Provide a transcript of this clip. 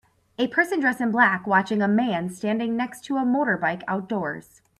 A person dressed in back watching a man standing next to a motorbike outdoors.